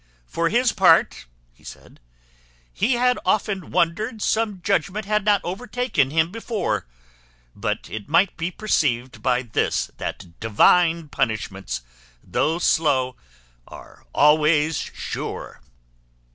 For his part," he said, "he had often wondered some judgment had not overtaken him before; but it might be perceived by this, that Divine punishments, though slow, are always sure."